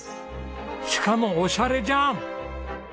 しかもオシャレじゃん！